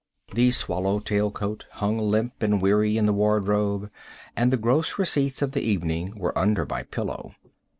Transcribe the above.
The swallow tail coat hung limp and weary in the wardrobe, and the gross receipts of the evening were under my pillow.